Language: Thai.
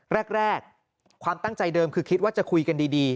แรกความตั้งใจเดิมคือคิดว่าจะคุยกันดี